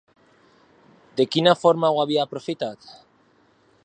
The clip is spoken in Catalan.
De quina forma ho havia aprofitat?